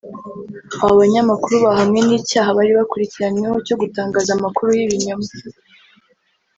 Aba banyamakuru bahamwe n’icyaha bari bakurikiranyweho cyo gutangaza amakuru y’ibinyoma